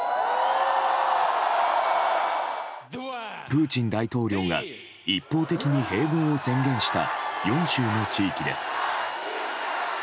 プーチン大統領が一方的に併合を宣言した４州の地域です。